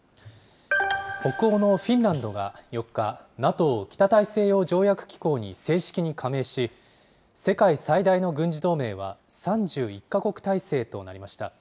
北欧のフィンランドが４日、ＮＡＴＯ・北大西洋条約機構に正式に加盟し、世界最大の軍事同盟は、３１か国体制となりました。